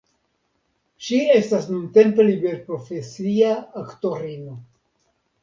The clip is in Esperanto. Ŝi estas nuntempe liberprofesia aktorino.